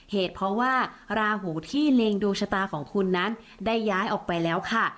เหตุเพราะว่าราหูที่เล็งดวงชะตาของคุณนั้นได้ย้ายออกไปแล้วค่ะ